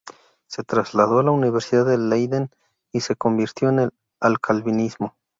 Se trasladó a la Universidad de Leiden y se convirtió al calvinismo.